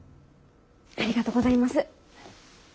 ありがとございます。